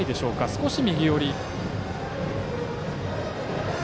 少し右寄り。